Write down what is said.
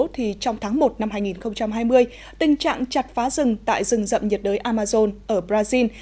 trong tháng một năm hai nghìn hai mươi tình trạng chặt phá rừng tại rừng rậm nhiệt đới amazon ở brazil